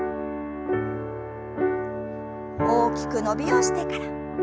大きく伸びをしてから。